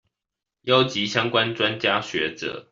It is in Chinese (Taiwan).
邀集相關專家學者